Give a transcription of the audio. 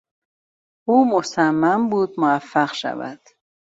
او مصمم بود موفق شود.